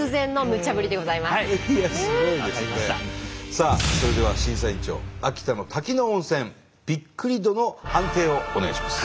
さあそれでは審査員長秋田の滝の温泉びっくり度の判定をお願いします。